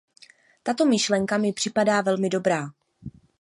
Tato myšlena mi připadá velmi dobrá.